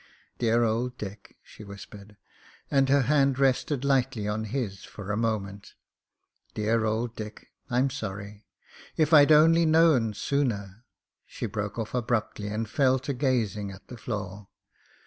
"Dear old Dick," she whis pered, and her hand rested lightly on his for a moment. "Dear old Dick, I'm sorry. If I'd only known sooner " She broke off abruptly and fell to gazing at the floor.